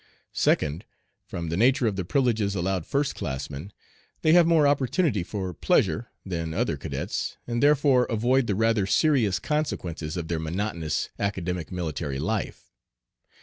Second, from the nature of the privileges allowed first classmen, they have more opportunity for pleasure than other cadets, and therefore avoid the rather serious consequences of their monotonous academic military life.